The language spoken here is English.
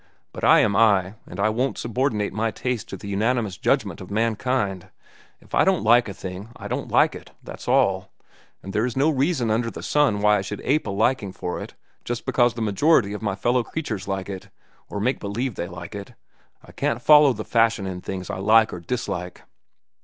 But I am I, and I won't subordinate my taste to the unanimous judgment of mankind. If I don't like a thing, I don't like it, that's all; and there is no reason under the sun why I should ape a liking for it just because the majority of my fellow creatures like it, or make believe they like it. I can't follow the fashions in the things I like or dislike."